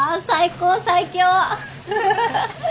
最高最強！